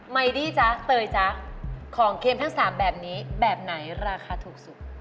ไยดี้จ๊ะเตยจ๊ะของเค็มทั้ง๓แบบนี้แบบไหนราคาถูกสุด